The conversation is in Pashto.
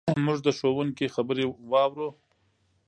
موږ د ښوونکي خبرې واورو.